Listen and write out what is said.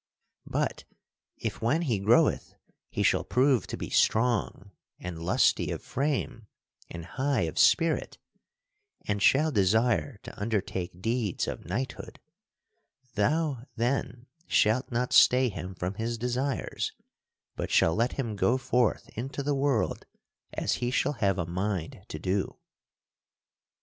But if when he groweth, he shall prove to be strong and lusty of frame and high of spirit, and shall desire to undertake deeds of knighthood, thou then shalt not stay him from his desires, but shall let him go forth into the world as he shall have a mind to do.